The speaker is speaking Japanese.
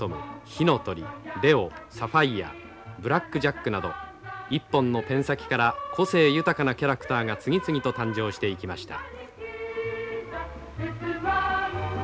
火の鳥レオサファイアブラック・ジャックなど一本のペン先から個性豊かなキャラクターが次々と誕生していきました。